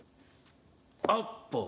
アッポー。